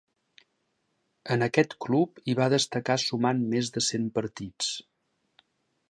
En aquest club hi va destacar sumant més de cent partits.